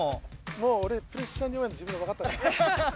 もう俺プレッシャーに弱いの自分でわかったから。